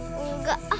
aku juga ah